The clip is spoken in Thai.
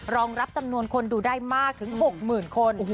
รองรับจำนวนคนดูได้มากถึง๖๐๐๐คน